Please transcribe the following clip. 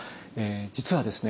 実はですね